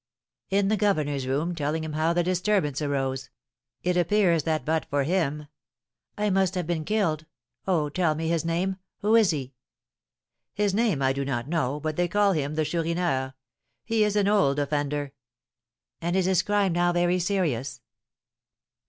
"In the governor's room, telling him how the disturbance arose. It appears that but for him " "I must have been killed. Oh, tell me his name! Who is he?" "His name I do not know, but they call him the Chourineur; he is an old offender." "And is his crime now very serious?"